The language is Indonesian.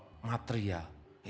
pajak mereka yang kaya